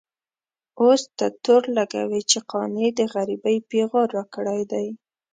اوس ته تور لګوې چې قانع د غريبۍ پېغور راکړی دی.